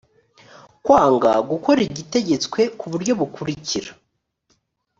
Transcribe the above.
kwanga gukora igitegetswe ku buryo bukurikira